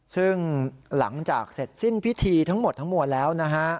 ซึ่งหลังจากเสร็จสิ้นพิธีทั้งหมดแล้ว